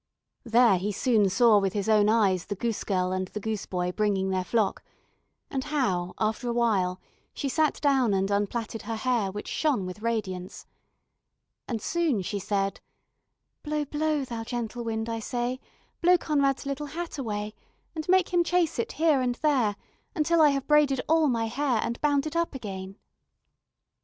There he soon saw with his own eyes the goose girl and the goose boy bringing their flock, and how after a while she sat down and unplaited her hair, which shone with radiance. And soon she said: "Blow, blow, thou gentle wind, I say, Blow Conrad's little hat away, And make him chase it here and there, Until I have braided all my hair, And bound it up again."